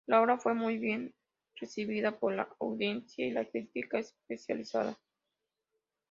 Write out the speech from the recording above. La obra fue muy bien recibida por la audiencia y la crítica especializada.